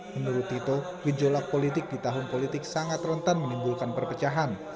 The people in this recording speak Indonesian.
menurut tito gejolak politik di tahun politik sangat rentan menimbulkan perpecahan